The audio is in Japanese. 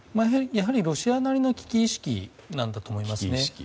やはりロシアなりの危機意識だと思いますね。